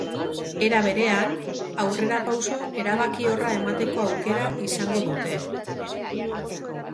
Era berean, aurrerapauso erabakiorra emateko aukera izango dute.